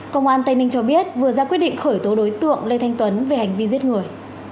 công an tây ninh cho biết vừa ra quyết định khởi tố đối tượng lê thanh tuấn về hành vi giết người